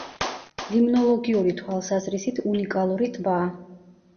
ლიმნოლოგიური თვალსაზრისით უნიკალური ტბაა.